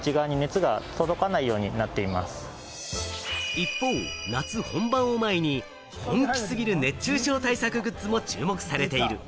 一方、夏本番を前に、本気すぎる熱中症対策グッズも注目されている。